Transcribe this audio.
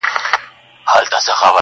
چي دولت لرې ښاغلی یې هرچا ته،